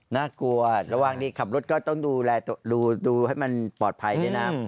น่ากลัวระหว่างนี้ขับรถก็ต้องดูแลดูให้มันปลอดภัยด้วยนะ